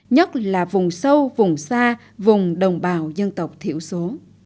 nhất là vùng sâu vùng xa vùng đồng bào dân tộc thiểu số